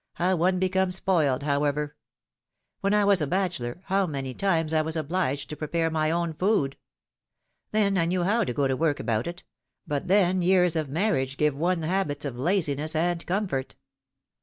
How one becomes spoiled, however ! When I was a bachelor, how many times I was obliged to prepare my own food ! Then, I knew how to go to work about it — but then years of marriage give one habits of laziness and com fort.